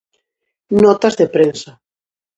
Notas de prensa.